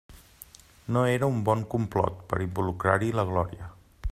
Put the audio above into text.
No era un bon complot per involucrar-hi la Glòria!